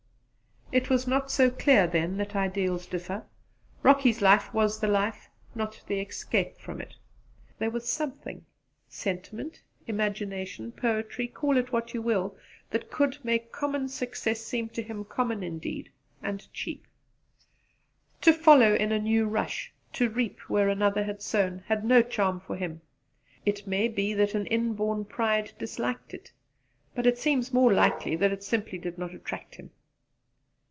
It was not so clear then that ideals differ. Rocky's ideal was the life not the escape from it. There was something sentiment, imagination, poetry, call it what you will that could make common success seem to him common indeed and cheap! To follow in a new rush, to reap where another had sown, had no charm for him. It may be that an inborn pride disliked it; but it seems more likely that it simply did not attract him.